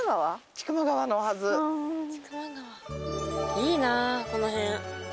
いいなこの辺。